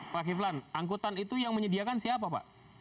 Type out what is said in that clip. pak kiflan angkutan itu yang menyediakan siapa pak